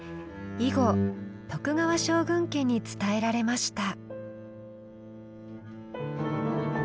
以後徳川将軍家に伝えられました。